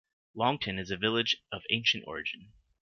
Longton is a village of ancient origin.